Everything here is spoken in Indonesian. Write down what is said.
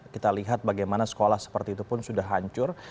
kita lihat bagaimana sekolah seperti itu pun sudah hancur